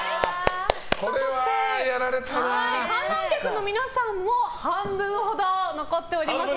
そして観覧客の皆さんも半分ほど残っております。